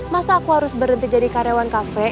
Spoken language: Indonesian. masa aku harus berhenti jadi karyawan kafe